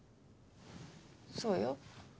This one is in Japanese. そうよ。